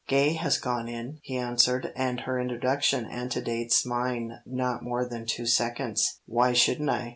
"Gay has gone in," he answered, "and her introduction antedates mine not more than two seconds. Why shouldn't I?"